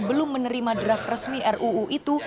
belum menerima draft resmi ruu itu